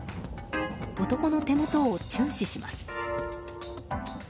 男の手元を注視します。